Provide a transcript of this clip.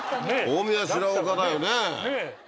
大宮白岡だよね。